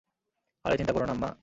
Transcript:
আরে চিন্তা করো না, আম্মা।